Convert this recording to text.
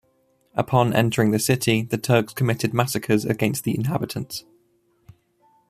Upon entering the city, the Turks committed massacres against the inhabitants.